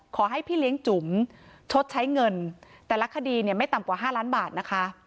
ขอให้พี่เลี้ยงจุ๋มชดใช้เงินแต่ละคดีเนี่ยไม่ต่ำกว่า๕ล้านบาทนะคะ